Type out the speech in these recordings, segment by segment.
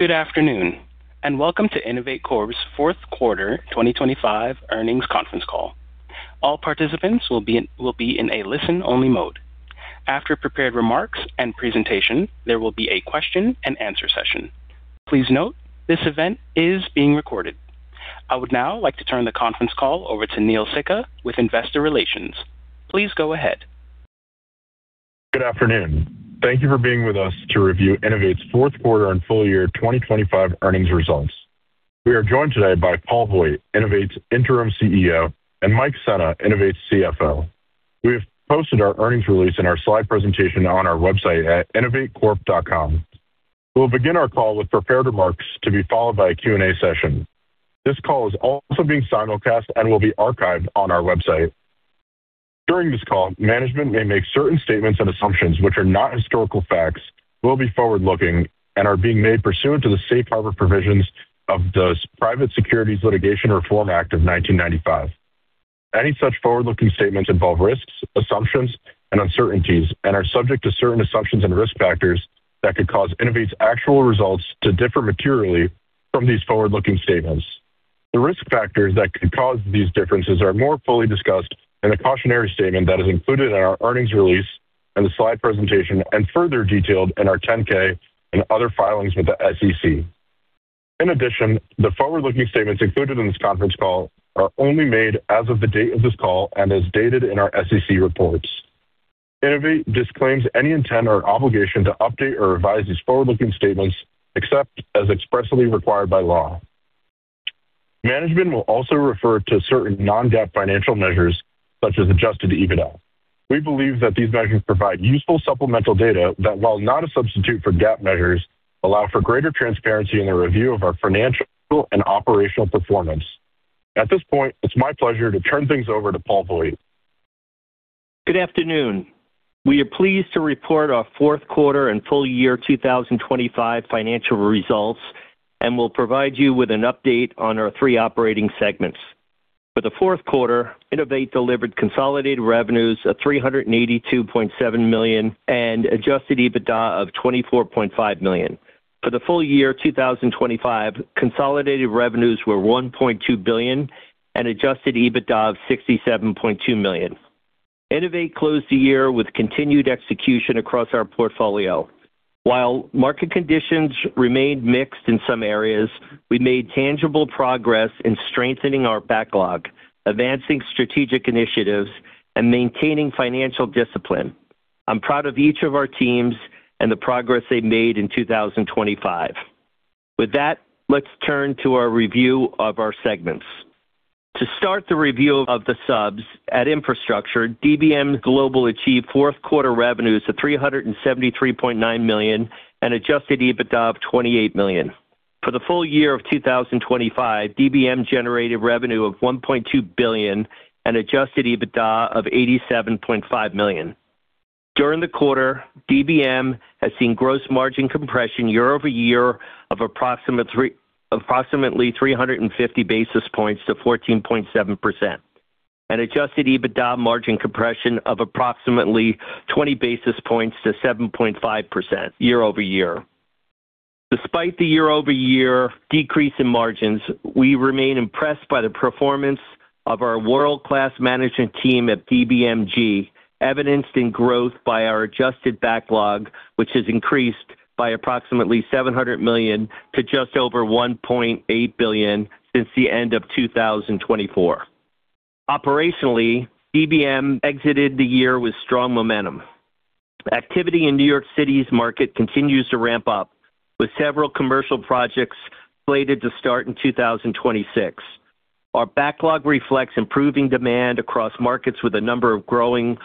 Good afternoon, and welcome to INNOVATE Corp.'s fourth quarter 2025 earnings conference call. All participants will be in a listen-only mode. After prepared remarks and presentation, there will be a question-and-answer session. Please note this event is being recorded. I would now like to turn the conference call over to Neel Sikka with Investor Relations. Please go ahead. Good afternoon. Thank you for being with us to review INNOVATE's fourth quarter and full year 2025 earnings results. We are joined today by Paul Voigt, INNOVATE's Interim CEO, and Mike Sena, INNOVATE's CFO. We have posted our earnings release and our slide presentation on our website at innovatecorp.com. We'll begin our call with prepared remarks to be followed by a Q&A session. This call is also being simulcast and will be archived on our website. During this call, management may make certain statements and assumptions which are not historical facts, will be forward-looking, and are being made pursuant to the Safe Harbor provisions of the Private Securities Litigation Reform Act of 1995. Any such forward-looking statements involve risks, assumptions, and uncertainties and are subject to certain assumptions and risk factors that could cause INNOVATE's actual results to differ materially from these forward-looking statements. The risk factors that could cause these differences are more fully discussed in the cautionary statement that is included in our earnings release and the slide presentation and further detailed in our 10-K and other filings with the SEC. In addition, the forward-looking statements included in this conference call are only made as of the date of this call and as dated in our SEC reports. INNOVATE disclaims any intent or obligation to update or revise these forward-looking statements, except as expressly required by law. Management will also refer to certain non-GAAP financial measures such as adjusted EBITDA. We believe that these measures provide useful supplemental data that, while not a substitute for GAAP measures, allow for greater transparency in the review of our financial and operational performance. At this point, it's my pleasure to turn things over to Paul Voigt. Good afternoon. We are pleased to report our fourth quarter and full year 2025 financial results and will provide you with an update on our three operating segments. For the fourth quarter, INNOVATE delivered consolidated revenues of $382.7 million and adjusted EBITDA of $24.5 million. For the full year 2025, consolidated revenues were $1.2 billion and adjusted EBITDA of $67.2 million. INNOVATE closed the year with continued execution across our portfolio. While market conditions remained mixed in some areas, we made tangible progress in strengthening our backlog, advancing strategic initiatives, and maintaining financial discipline. I'm proud of each of our teams and the progress they made in 2025. With that, let's turn to our review of our segments. To start the review of the subs at infrastructure, DBM Global achieved fourth quarter revenues of $373.9 million and adjusted EBITDA of $28 million. For the full year of 2025, DBM generated revenue of $1.2 billion and adjusted EBITDA of $87.5 million. During the quarter, DBM has seen gross margin compression year-over-year of approximately 350 basis points to 14.7% and adjusted EBITDA margin compression of approximately 20 basis points to 7.5% year-over-year. Despite the year-over-year decrease in margins, we remain impressed by the performance of our world-class management team at DBMG, evidenced in growth by our adjusted backlog, which has increased by approximately $700 million to just over $1.8 billion since the end of 2024. Operationally, DBM exited the year with strong momentum. Activity in New York City's market continues to ramp up, with several commercial projects slated to start in 2026. Our backlog reflects improving demand across markets with a number of growing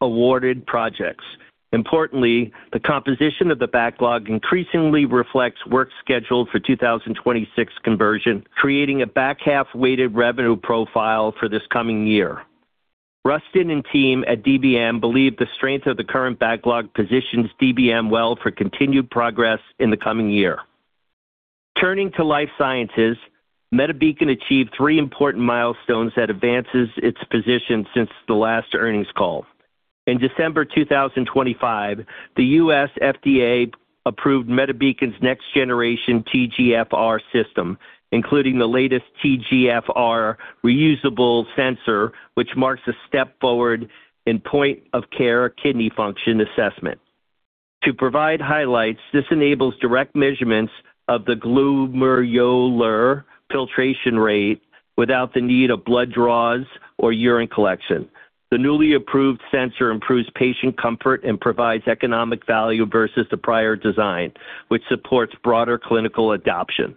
awarded projects. Importantly, the composition of the backlog increasingly reflects work scheduled for 2026 conversion, creating a back half-weighted revenue profile for this coming year. Rustin and team at DBM believe the strength of the current backlog positions DBM well for continued progress in the coming year. Turning to life sciences, MediBeacon achieved three important milestones that advances its position since the last earnings call. In December 2025, the U.S. FDA approved MediBeacon's next generation TGFR system, including the latest TGFR reusable sensor, which marks a step forward in point of care kidney function assessment. To provide highlights, this enables direct measurements of the glomerular filtration rate without the need of blood draws or urine collection. The newly approved sensor improves patient comfort and provides economic value versus the prior design, which supports broader clinical adoption.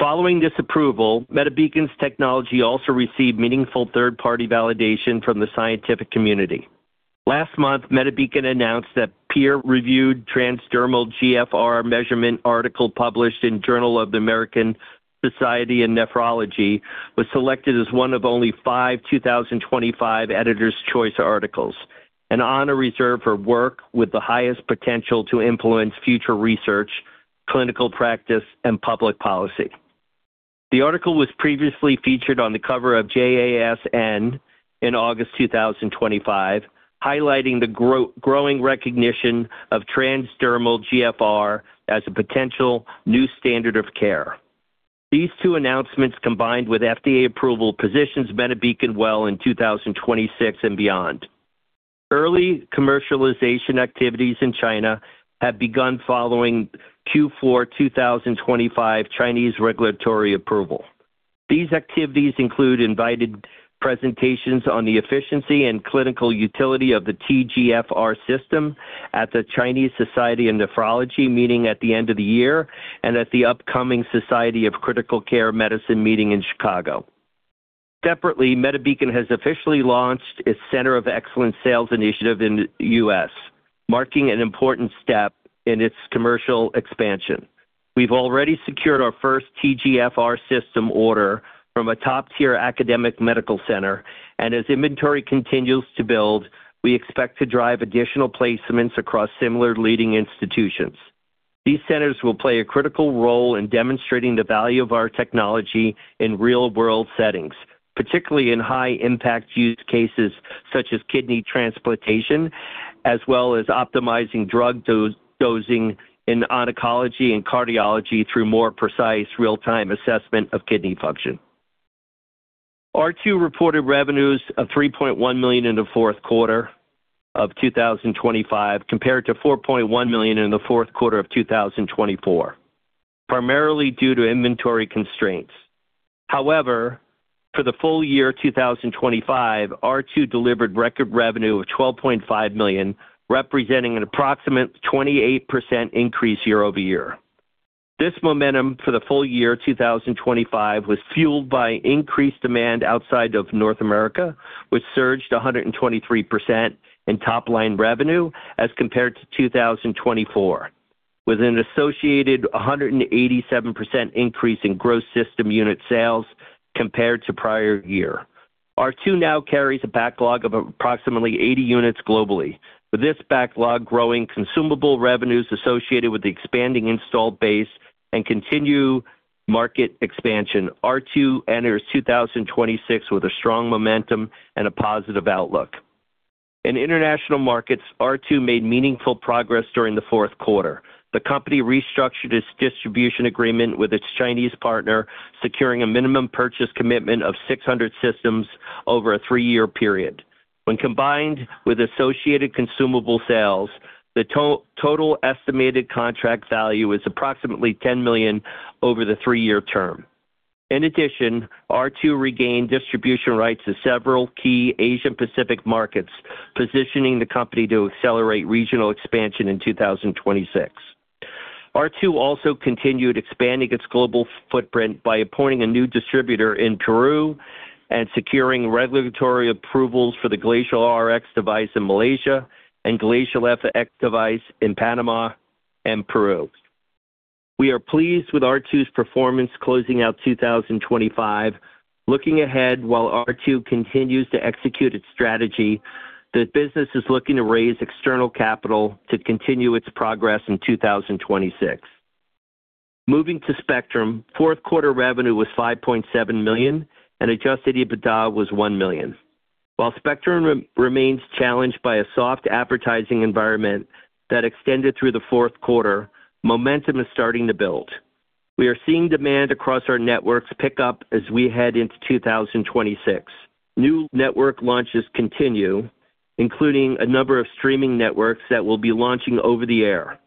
Following this approval, MediBeacon's technology also received meaningful third-party validation from the scientific community. Last month, MediBeacon announced that peer-reviewed transdermal GFR measurement article published in Journal of the American Society of Nephrology was selected as one of only five 2025 Editor's Choice articles, an honor reserved for work with the highest potential to influence future research, clinical practice, and public policy. The article was previously featured on the cover of JASN in August 2025, highlighting the growing recognition of transdermal GFR as a potential new standard of care. These two announcements, combined with FDA approval, positions MediBeacon well in 2026 and beyond. Early commercialization activities in China have begun following Q4 2025 Chinese regulatory approval. These activities include invited presentations on the efficiency and clinical utility of the TGFR system at the Chinese Society of Nephrology meeting at the end of the year, and at the upcoming Society of Critical Care Medicine meeting in Chicago. Separately, MediBeacon has officially launched its Center of Excellence sales initiative in the U.S., marking an important step in its commercial expansion. We've already secured our first TGFR system order from a top-tier academic medical center, and as inventory continues to build, we expect to drive additional placements across similar leading institutions. These centers will play a critical role in demonstrating the value of our technology in real-world settings, particularly in high impact use cases such as kidney transplantation, as well as optimizing drug dosing in oncology and cardiology through more precise real-time assessment of kidney function. R2 reported revenues of $3.1 million in the fourth quarter of 2025, compared to $4.1 million in the fourth quarter of 2024, primarily due to inventory constraints. However, for the full year 2025, R2 delivered record revenue of $12.5 million, representing an approximate 28% increase year-over-year. This momentum for the full year 2025 was fueled by increased demand outside of North America, which surged 123% in top-line revenue as compared to 2024, with an associated 187% increase in gross system unit sales compared to prior year. R2 now carries a backlog of approximately 80 units globally. With this backlog growing consumable revenues associated with the expanding installed base and continued market expansion, R2 enters 2026 with a strong momentum and a positive outlook. In international markets, R2 made meaningful progress during the fourth quarter. The company restructured its distribution agreement with its Chinese partner, securing a minimum purchase commitment of 600 systems over a three-year period. When combined with associated consumable sales, the total estimated contract value is approximately $10 million over the three-year term. In addition, R2 regained distribution rights to several key Asia Pacific markets, positioning the company to accelerate regional expansion in 2026. R2 also continued expanding its global footprint by appointing a new distributor in Peru and securing regulatory approvals for the Glacial Rx device in Malaysia and Glacial fx device in Panama and Peru. We are pleased with R2's performance closing out 2025. Looking ahead, while R2 continues to execute its strategy, the business is looking to raise external capital to continue its progress in 2026. Moving to Spectrum, fourth quarter revenue was $5.7 million and adjusted EBITDA was $1 million. While Spectrum remains challenged by a soft advertising environment that extended through the fourth quarter, momentum is starting to build. We are seeing demand across our networks pick up as we head into 2026. New network launches continue, including a number of streaming networks that will be launching over the air.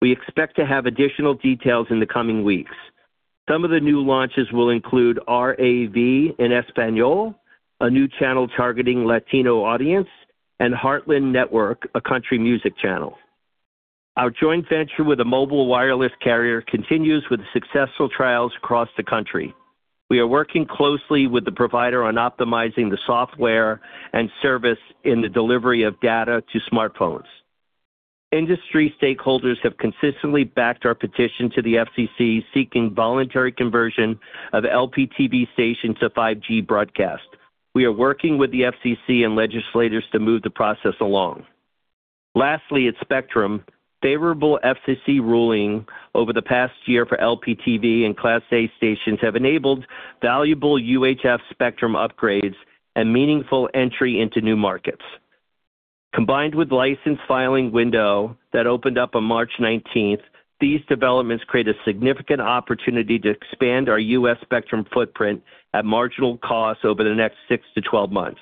We expect to have additional details in the coming weeks. Some of the new launches will include RAV en Español, a new channel targeting Latino audience, and Heartland Network, a country music channel. Our joint venture with a mobile wireless carrier continues with successful trials across the country. We are working closely with the provider on optimizing the software and service in the delivery of data to smartphones. Industry stakeholders have consistently backed our petition to the FCC seeking voluntary conversion of LPTV stations to 5G Broadcast. We are working with the FCC and legislators to move the process along. Lastly, at Spectrum, favorable FCC ruling over the past year for LPTV and Class A stations have enabled valuable UHF spectrum upgrades and meaningful entry into new markets. Combined with license filing window that opened up on March nineteenth, these developments create a significant opportunity to expand our U.S. Spectrum footprint at marginal cost over the next six to 12 months.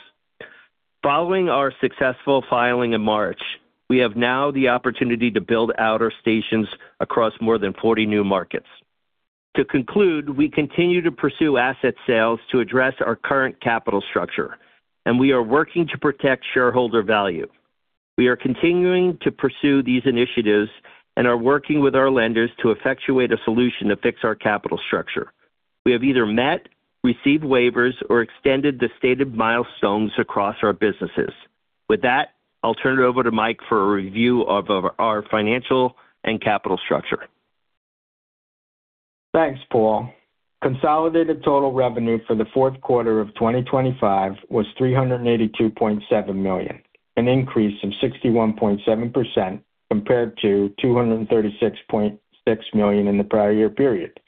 Following our successful filing in March, we have now the opportunity to build out our stations across more than 40 new markets. To conclude, we continue to pursue asset sales to address our current capital structure, and we are working to protect shareholder value. We are continuing to pursue these initiatives and are working with our lenders to effectuate a solution to fix our capital structure. We have either met, received waivers, or extended the stated milestones across our businesses. With that, I'll turn it over to Mike for a review of our financial and capital structure. Thanks, Paul. Consolidated total revenue for the fourth quarter of 2025 was $382.7 million. An increase of 61.7% compared to $236.6 million in the prior year period.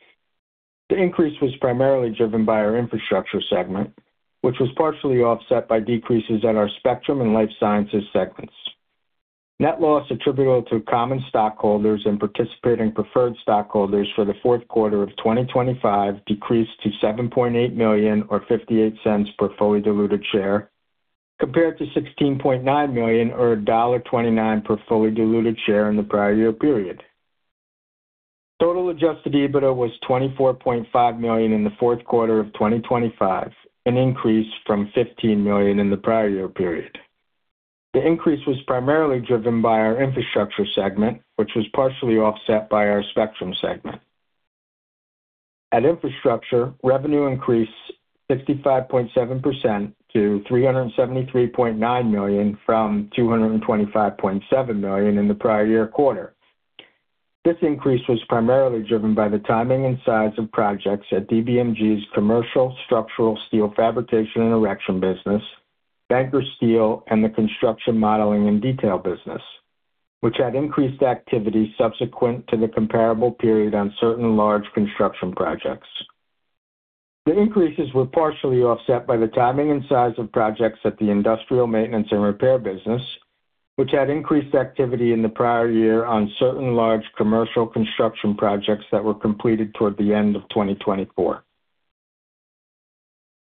The increase was primarily driven by our infrastructure segment, which was partially offset by decreases in our spectrum and life sciences segments. Net loss attributable to common stockholders and participating preferred stockholders for the fourth quarter of 2025 decreased to $7.8 million, or $0.58 per fully diluted share, compared to $16.9 million or $1.29 per fully diluted share in the prior year period. Total adjusted EBITDA was $24.5 million in the fourth quarter of 2025, an increase from $15 million in the prior year period. The increase was primarily driven by our infrastructure segment, which was partially offset by our spectrum segment. In infrastructure, revenue increased 65.7% to $373.9 million from $225.7 million in the prior year quarter. This increase was primarily driven by the timing and size of projects at DBMG's Commercial Structural Steel Fabrication and Erection business, Banker Steel, and the Construction Modeling and Detail business, which had increased activity subsequent to the comparable period on certain large construction projects. The increases were partially offset by the timing and size of projects at the Industrial Maintenance and Repair business, which had increased activity in the prior year on certain large commercial construction projects that were completed toward the end of 2024.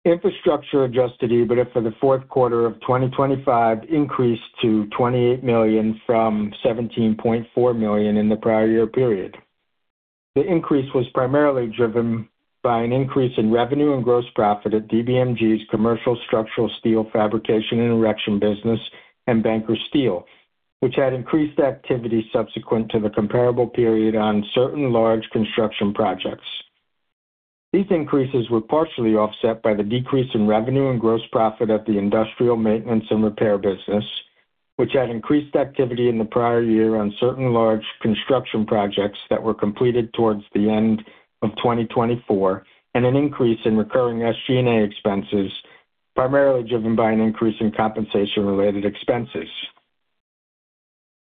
Infrastructure adjusted EBITDA for the fourth quarter of 2025 increased to $28 million from $17.4 million in the prior year period. The increase was primarily driven by an increase in revenue and gross profit at DBMG Commercial Structural Steel Fabrication and Erection business and Banker Steel, which had increased activity subsequent to the comparable period on certain large construction projects. These increases were partially offset by the decrease in revenue and gross profit at the Industrial Maintenance and Repair business, which had increased activity in the prior year on certain large construction projects that were completed towards the end of 2024, and an increase in recurring SG&A expenses, primarily driven by an increase in compensation-related expenses.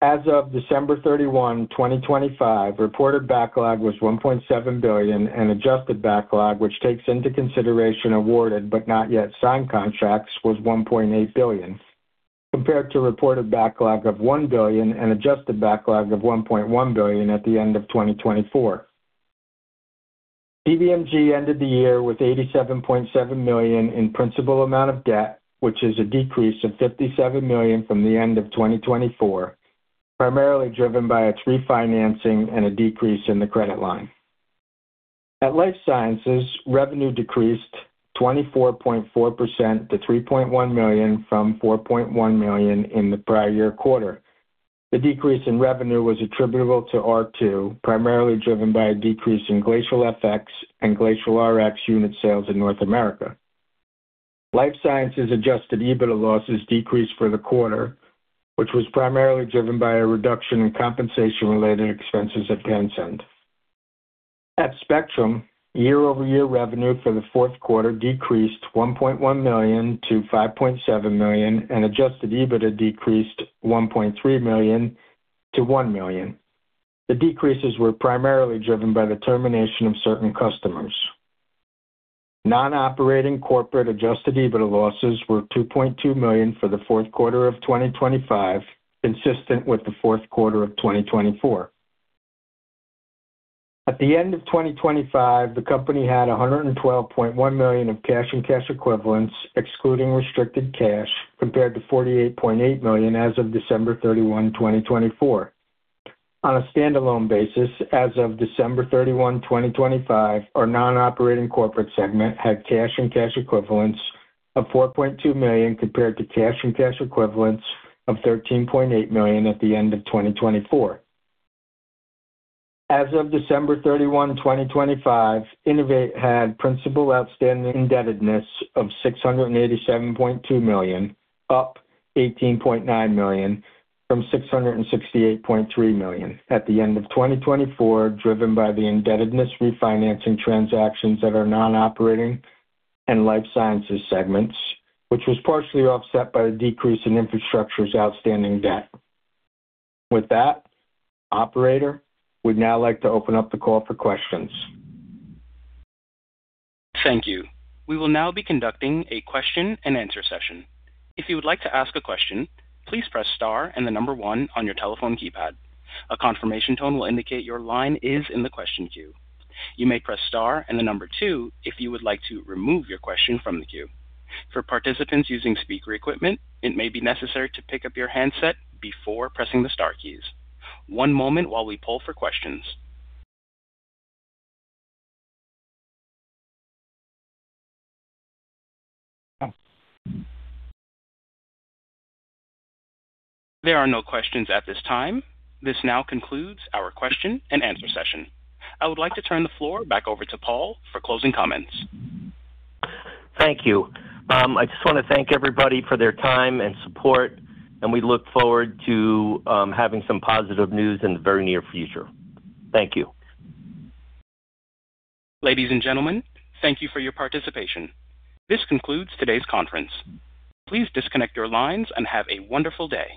As of December 31, 2025, reported backlog was $1.7 billion and adjusted backlog, which takes into consideration awarded but not yet signed contracts, was $1.8 billion, compared to reported backlog of $1 billion and adjusted backlog of $1.1 billion at the end of 2024. DBMG ended the year with $87.7 million in principal amount of debt, which is a decrease of $57 million from the end of 2024, primarily driven by its refinancing and a decrease in the credit line. At Life Sciences, revenue decreased 24.4% to $3.1 million from $4.1 million in the prior year quarter. The decrease in revenue was attributable to R2, primarily driven by a decrease in Glacial fx and Glacial Rx unit sales in North America. Life Sciences adjusted EBITDA losses decreased for the quarter, which was primarily driven by a reduction in compensation-related expenses at Pansend. At Spectrum, year-over-year revenue for the fourth quarter decreased $1.1 million-$5.7 million and adjusted EBITDA decreased $1.3 million-$1 million. The decreases were primarily driven by the termination of certain customers. Non-operating corporate adjusted EBITDA losses were $2.2 million for the fourth quarter of 2025, consistent with the fourth quarter of 2024. At the end of 2025, the company had $112.1 million of cash and cash equivalents, excluding restricted cash, compared to $48.8 million as of December 31, 2024. On a standalone basis, as of December 31, 2025, our non-operating corporate segment had cash and cash equivalents of $4.2 million compared to cash and cash equivalents of $13.8 million at the end of 2024. As of December 31, 2025, INNOVATE had principal outstanding indebtedness of $687.2 million, up $18.9 million from $668.3 million at the end of 2024, driven by the indebtedness refinancing transactions that are non-operating and life sciences segments, which was partially offset by a decrease in infrastructure's outstanding debt. With that, operator, we'd now like to open up the call for questions. Thank you. We will now be conducting a question and answer session. If you would like to ask a question please press star and the number one on your telephone keypad. A confirmation tone will indicate your line is in the question queue. You may press start and the number two if you would like to remove your question from the queue. For participant using speaker equipment it may be necessary to pick up your headset before pressing the star key. One moment while we pull for questions. There are no questions at this time. This now concludes our question and answer session. I would like to turn the floor back over to Paul for closing comments. Thank you. I just want to thank everybody for their time and support, and we look forward to having some positive news in the very near future. Thank you. Ladies and gentlemen, thank you for your participation. This concludes today's conference. Please disconnect your lines and have a wonderful day.